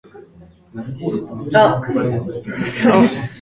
耳を傾けてわたしの言葉を聞いてください。